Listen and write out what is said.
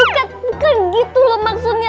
bukan gitu maksudnya